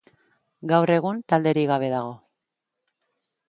Gaur egun talderik gabe dago.